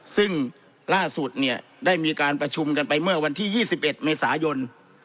ซึ่งล่าสุดเนี่ยได้มีการประชุมกันไปเมื่อวันที่๒๑เมษายน